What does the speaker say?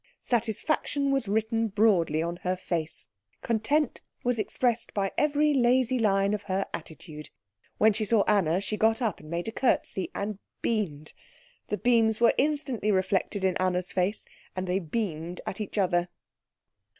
Satisfaction was written broadly on her face; content was expressed by every lazy line of her attitude. When she saw Anna, she got up and made a curtsey and beamed. The beams were instantly reflected in Anna's face, and they beamed at each other.